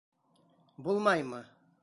Булмаймы?